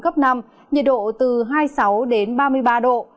cấp năm nhiệt độ từ hai mươi sáu đến ba mươi ba độ